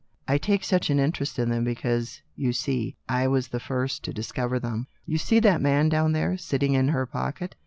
"I take such an interest in them, because, you see, I was the first to discover them. You see that man down there, sitting in her pocket?